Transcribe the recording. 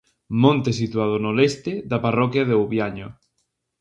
Monte situado no leste da parroquia de Ouviaño.